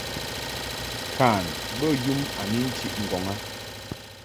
Kan bə yum a ni nchiʼ ŋgɔŋ a.